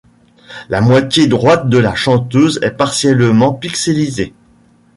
La moitié droite de la chanteuse est partiellement pixelisée.